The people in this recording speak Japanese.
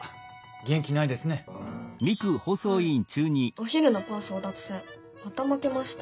お昼のパン争奪戦また負けました。